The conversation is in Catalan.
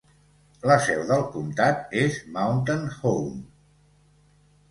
La seu del comtat és Mountain Home.